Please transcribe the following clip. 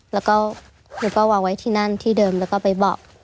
แล้วก็หนูก็วางไว้ที่นั่นที่เดิมแล้วก็ไปเบาะ